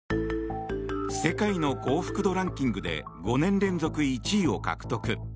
世界の幸福度ランキングで５年連続１位を獲得。